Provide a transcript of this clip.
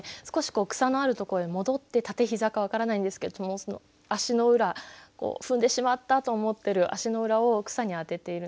少し草のあるとこへ戻って立て膝か分からないんですけれども踏んでしまったと思ってる足の裏を草に当てているんですね。